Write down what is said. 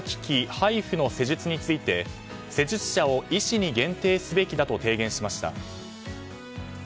ＨＩＦＵの施術について施術者を医師に限定すべきだと提言しました。